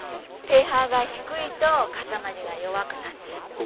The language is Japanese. ペーハーが低いと固まりが弱くなっちゃう。